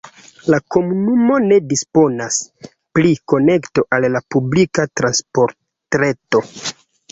La komunumo ne disponas pri konekto al la publika transportreto.